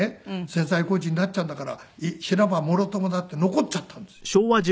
戦災孤児になっちゃうんだから死なばもろともだって残っちゃったんですよ。